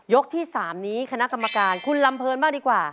ที่๓นี้คณะกรรมการคุณลำเพลินบ้างดีกว่า